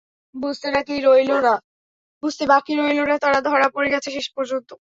বুঝতে বাকি রইল না তারা ধরা পড়ে গেছে শেষ পর্যন্ত।